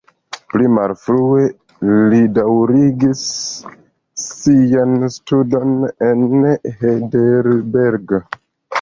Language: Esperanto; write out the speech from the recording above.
Pli malfrue li daŭrigis sian studon en Heidelberg.